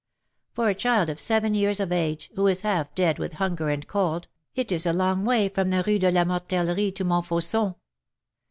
For a child of seven years of age, who is half dead with hunger and cold, it is a long way from the Rue de la Mortellerie to Montfauçon."